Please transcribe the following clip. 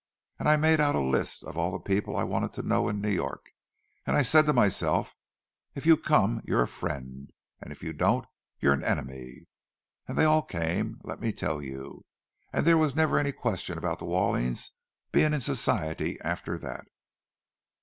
And I made out a list of all the people I wanted to know in New York, and I said to myself: 'If you come, you're a friend, and if you don't come, you're an enemy.' And they all came, let me tell you! And there was never any question about the Wallings being in Society after that."